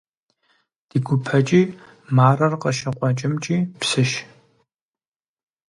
Ди гупэкӀи, Марэр къыщыкъуэкӀымкӀи псыщ.